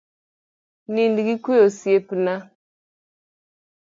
Nind gi kue osiepna